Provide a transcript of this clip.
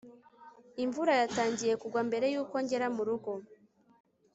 imvura yatangiye kugwa mbere yuko ngera murugo